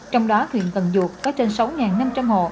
trong đó huyện cần duột có trên sáu năm trăm linh hộ